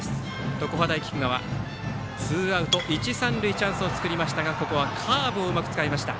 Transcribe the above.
常葉大菊川ツーアウト一、三塁とチャンスを作りましたがここはカーブをうまく使いました。